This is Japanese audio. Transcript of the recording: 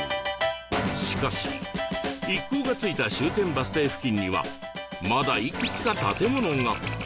しかし一行が着いた終点バス停付近にはまだいくつか建物が